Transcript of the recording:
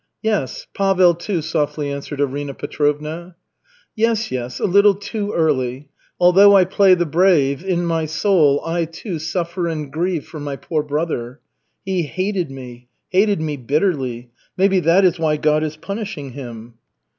"Yes, Pavel, too," softly answered Arina Petrovna. "Yes, yes a little too early. Although I play the brave, in my soul I, too, suffer and grieve for my poor brother. He hated me hated me bitterly. Maybe that is why God is punishing him."